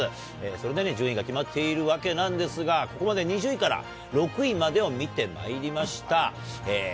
それぞれ順位が決まっているわけなんですが、ここまで２０位から６位までを見てまいりました。